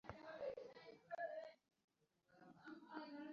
তবে আইপিওর আবেদনের জন্য প্রয়োজনীয় নগদ অর্থ আবেদনকারীর বিও হিসাবে থাকতে হবে।